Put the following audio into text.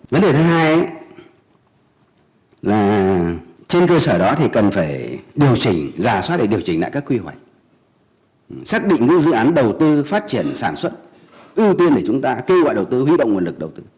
vấn đề thứ hai là trên cơ sở đó thì cần phải điều chỉnh giả soát để điều chỉnh lại các quy hoạch xác định những dự án đầu tư phát triển sản xuất ưu tiên để chúng ta kêu gọi đầu tư huy động nguồn lực đầu tư